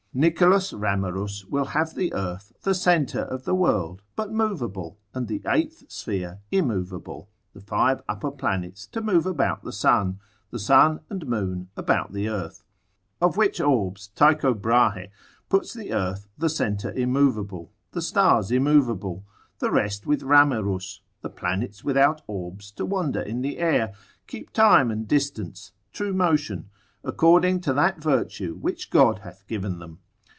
Nicholas Ramerus will have the earth the centre of the world, but movable, and the eighth sphere immovable, the five upper planets to move about the sun, the sun and moon about the earth. Of which orbs Tycho Brahe puts the earth the centre immovable, the stars immovable, the rest with Ramerus, the planets without orbs to wander in the air, keep time and distance, true motion, according to that virtue which God hath given them.